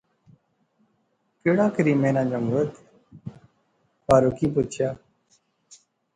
کیڑا کریمے نا جنگت؟ فاروقیں پچھیا